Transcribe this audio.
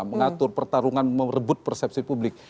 mengatur pertarungan merebut persepsi publik